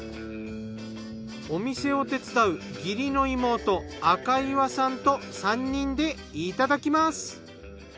お店を手伝う義理の妹赤岩さんと３人でいただきます。